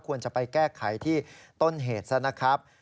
ควรจะไปแก้ไขที่ต้นเหตุซะนะครับ